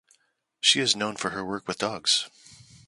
She is known for her work with dogs.